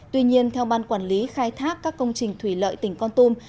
tuy nhiên theo ban quản lý khai thác các công trình thủy lợi tỉnh con tum